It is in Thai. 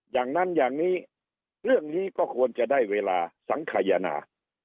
อย่างนั้นอย่างนี้เรื่องนี้ก็ควรจะได้เวลาสังขยนา